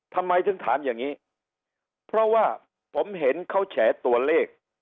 ทำไมถึงถามอย่างนี้เพราะว่าผมเห็นเขาแฉตัวเลข